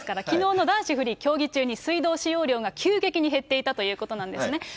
きのうの男子フリー競技中に水道使用量が急激に減っていたということなんですね。